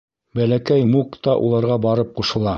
Бәләкәй Мук та уларға барып ҡушыла.